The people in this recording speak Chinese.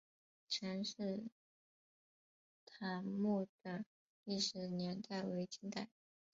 陈式坦墓的历史年代为近代。